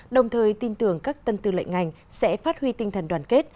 đồng thời tin tưởng các tân tư lệnh ngành sẽ phát huy tinh thần đoàn kết